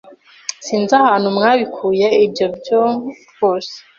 sinzi ahantu mwabikuye ibyo byo rwose